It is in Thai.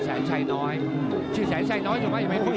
ถ้าโชคแบบนี้ดีไม่ดีนี่ได้